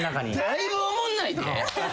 だいぶおもんないで。